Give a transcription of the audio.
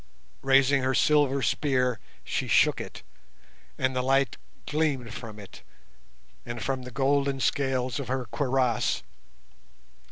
Raising her silver spear, she shook it, and the light gleamed from it and from the golden scales of her cuirass.